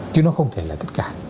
chứ nó không thể là tất cả